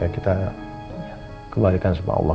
kita kebaikan sama allah